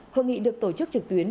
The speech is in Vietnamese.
hội nghị được tổ chức trực tuyến